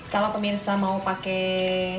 kalau pemirsa mau pakai